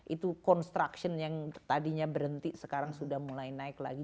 itu construction yang tadinya berhenti sekarang sudah mulai naik lagi